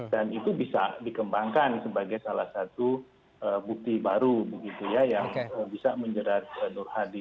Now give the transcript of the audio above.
dan itu bisa dikembangkan sebagai salah satu bukti baru yang bisa menjerat nur hadi